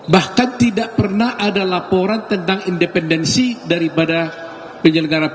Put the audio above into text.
bahkan tidak pernah ada laporan tentang independensi daripada penyelenggara pemilu